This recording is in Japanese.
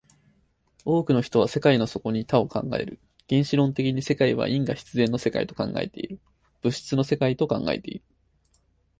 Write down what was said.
多くの人は世界の底に多を考える、原子論的に世界を因果必然の世界と考えている、物質の世界と考えている。